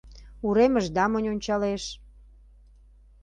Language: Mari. Уремыш да монь ончалеш.